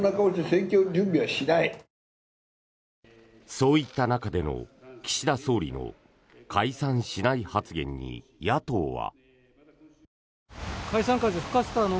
そういった中での岸田総理の解散しない発言に、野党は。